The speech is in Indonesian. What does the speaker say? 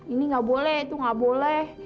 ini gak boleh itu gak boleh